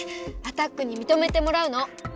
アタックにみとめてもらうの！